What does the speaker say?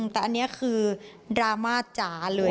แต่อันนี้คือดราม่าจ๋าเลย